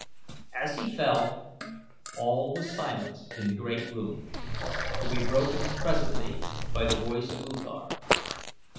As he fell all was silence in the great room, to be broken presently by the voice of U Thor.